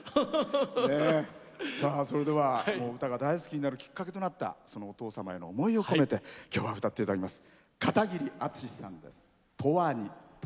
それでは歌が大好きとなるきっかけとなるお父様への思いを込めて今日は歌っていただきます。